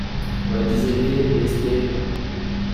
On la disait gaie et espiègle.